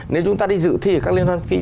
nếu chúng ta đi dự thi ở các liên hoan phim